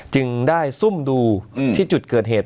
จึงได้ซุ่มดูที่จุดเกิดเหตุ